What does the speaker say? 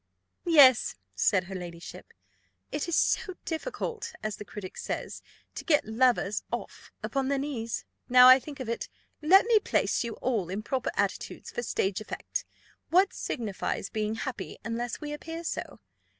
"Yes," said her ladyship; "it is so difficult, as the Critic says, to get lovers off upon their knees. Now I think of it, let me place you all in proper attitudes for stage effect. What signifies being happy, unless we appear so?